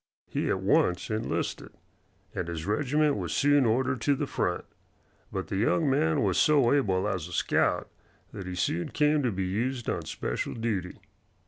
He at once enlisted, and his regiment was soon ordered to the front, but the young man was so able as a scout that he soon came to be used on special duty.